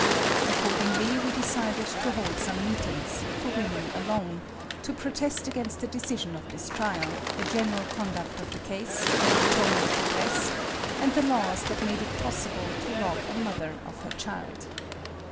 Accordingly we decided to hold some meetings, for women alone, to protest against the decision of this trial, the general conduct of the case, the tone of the press, and the laws that made it possible to rob a mother of her child.